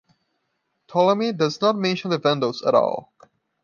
Ptolemy does not mention the Vandals at all.